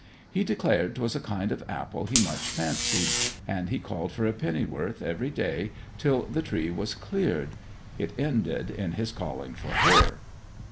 He declared 'twas a kind of apple he much fancied; and he called for a penn'orth every day till the tree was cleared. It ended in his calling for her.'